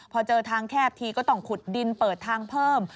พอเจอทางแคบทีก็ต้องขุดดินเปิดทางเพิ่ม